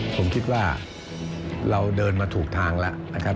ผมคิดว่าเราเดินมาถูกทางแล้วนะครับ